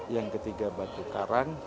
yang ketiga batu karang